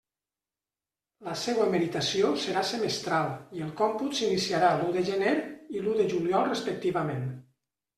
La seua meritació serà semestral, i el còmput s'iniciarà l'u de gener i l'u de juliol respectivament.